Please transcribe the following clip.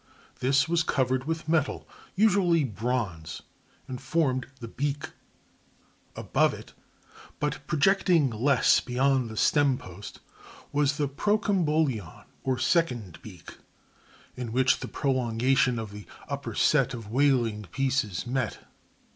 This was covered with metal, usually bronze, and formed the beak. "Above it, but projecting less beyond the stem post, was the procmbolion, or second beak, in which the prolongation of the upper set of waling pieces met.